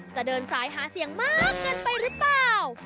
จะเดินซ้ายหาเสียงมากกันไปรึเปล่า